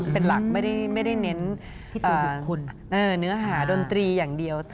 เป็นหลักไม่ได้เน้นเนื้อหาดนตรีอย่างเดียว